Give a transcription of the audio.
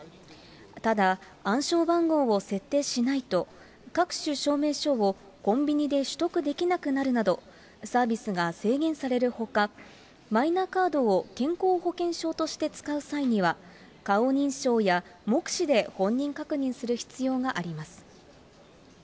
ただ、暗証番号を設定しないと、各種証明書をコンビニで取得できなくなるなど、サービスが制限されるほか、マイナカードを健康保険証として使う際には、顔認証や目視で本人確認する必要があります。